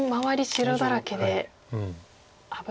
白だらけで危ないですか。